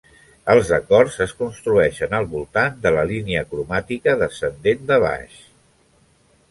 Els acords es construeixen al voltant de la línia cromàtica descendent de baix.